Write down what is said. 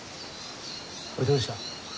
おいどうした？うう。